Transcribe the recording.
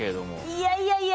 いやいやいや。